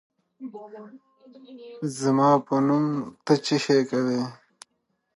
که علم په پښتو وي، نو د پوهې رڼا به تل خپره وي.